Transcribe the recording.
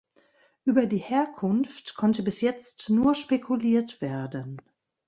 Über die Herkunft konnte bis jetzt nur Spekuliert werden.